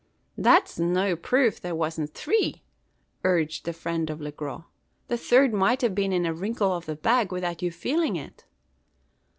"That's no proof there wasn't three," urged the friend of Le Gros. "The third might have been in a wrinkle of the bag, without your feeling it!"